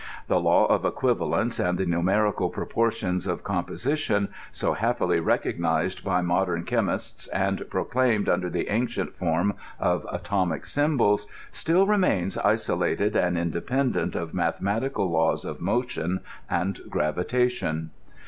The law of equivalents and the numerical proportions of composi tion, so happily recognized by modern chemists, and proclaimed under the ancient form of atomic symbols, still remains isola ted and independent of mathematical laws of motion and grav« itation.